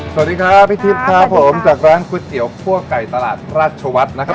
สวัสดีครับพี่ทิพย์ครับผมจากร้านก๋วยเตี๋ยวคั่วไก่ตลาดราชวัฒน์นะครับ